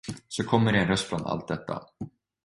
Så kommer det en röst bland allt detta.